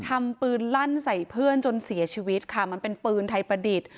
ทำปืนลั่นใส่เพื่อนจนเสียชีวิตค่ะมันเป็นปืนไทยประดิษฐ์